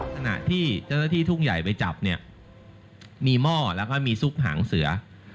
ภาษาที่ทุกข์ใหญ่ไปจับนี่มีหม้อและมีสุขหางเสือ